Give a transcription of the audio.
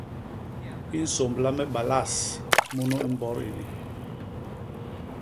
I nsômbla me balas munu i mbot ini.